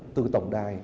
từ tổng đài